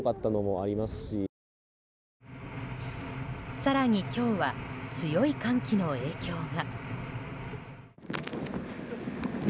更に今日は強い寒気の影響が。